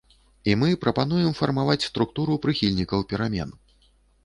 І мы прапануем фармаваць структуру прыхільнікаў перамен.